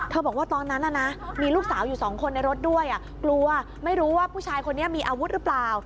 บอกว่าตอนนั้นมีลูกสาวอยู่สองคนในรถด้วยกลัวไม่รู้ว่าผู้ชายคนนี้มีอาวุธหรือเปล่า